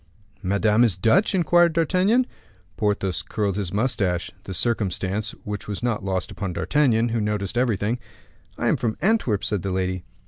"Madame is Dutch?" inquired D'Artagnan. Porthos curled his mustache, a circumstance which was not lost upon D'Artagnan, who noticed everything. "I am from Antwerp," said the lady.